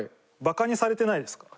バカにされてないですか？